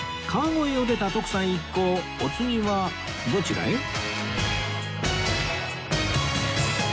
川越を出た徳さん一行お次はどちらへ？